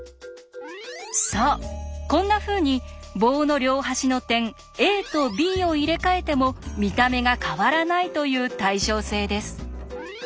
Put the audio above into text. そうこんなふうに棒の両端の点ＡとＢを入れ替えても見た目が変わらないという対称性です。